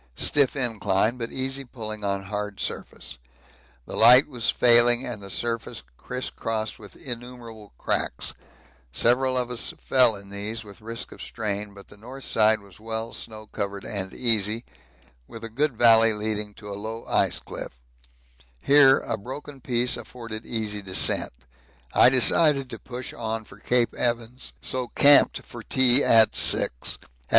Stiff incline, but easy pulling on hard surface the light was failing and the surface criss crossed with innumerable cracks; several of us fell in these with risk of strain, but the north side was well snow covered and easy, with a good valley leading to a low ice cliff here a broken piece afforded easy descent. I decided to push on for Cape Evans, so camped for tea at 6. At 6.